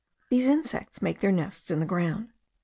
These insects make their nests in the ground.